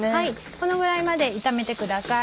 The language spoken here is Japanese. このぐらいまで炒めてください。